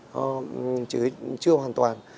nó chưa hoàn toàn